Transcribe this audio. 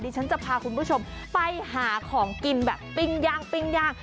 ดิฉันจะพาคุณผู้ชมไปหาของกินแบบปิงย่าง